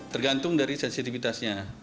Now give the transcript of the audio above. tergantung dari sensitivitasnya